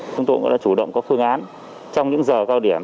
chúng tôi cũng đã chủ động có phương án trong những giờ cao điểm